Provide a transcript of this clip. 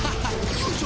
よいしょ！